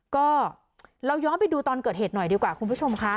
ก็เราย้อนไปดูตอนเกิดเหตุหน่อยดีกว่าคุณผู้ชมค่ะ